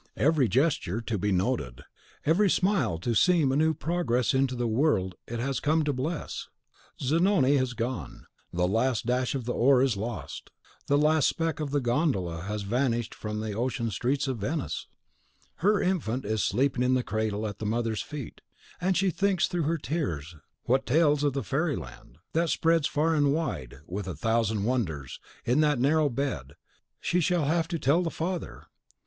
Every gesture to be noted, every smile to seem a new progress into the world it has come to bless! Zanoni has gone, the last dash of the oar is lost, the last speck of the gondola has vanished from the ocean streets of Venice! Her infant is sleeping in the cradle at the mother's feet; and she thinks through her tears what tales of the fairy land, that spreads far and wide, with a thousand wonders, in that narrow bed, she shall have to tell the father!